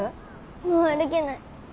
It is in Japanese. もう歩けない。